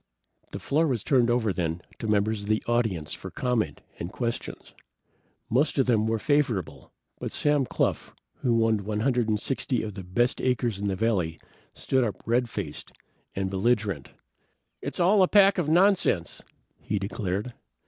The floor was turned over then to members of the audience for comment and questions. Most of them were favorable, but Sam Cluff, who owned a hundred and sixty of the best acres in the valley, stood up red faced and belligerent. "It's all a pack of nonsense!" he declared.